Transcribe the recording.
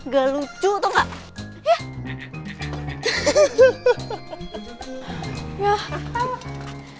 gak lucu tau gak